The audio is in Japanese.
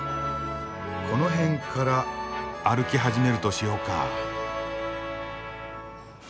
この辺から歩き始めるとしようか。